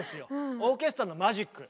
オーケストラのマジック。